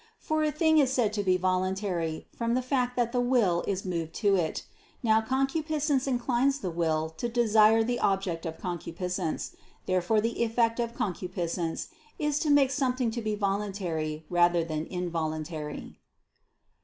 For a thing is said to be voluntary, from the fact that the will is moved to it. Now concupiscence inclines the will to desire the object of concupiscence. Therefore the effect of concupiscence is to make something to be voluntary rather than involuntary.